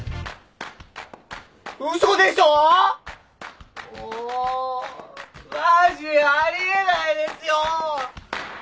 嘘でしょ！？もマジあり得ないですよ！